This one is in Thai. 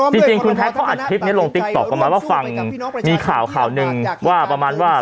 จริงคุณแท็กเขาอัดคลิปนี้ลงติ๊กต๊อกประมาณว่าฟังมีข่าวข่าวหนึ่งว่าประมาณว่า